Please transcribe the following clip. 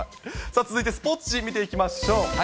続いてスポーツ紙、見ていきましょう。